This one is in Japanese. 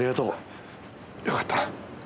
よかったな。